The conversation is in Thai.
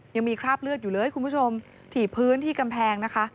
ยังมีคราบเลือดอยู่เลยคุณผู้ชมถี่พื้นที่กำแพงนะคะ